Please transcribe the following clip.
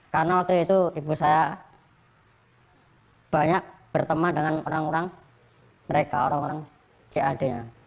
karena waktu itu ibu saya banyak berteman dengan orang orang mereka orang orang jad nya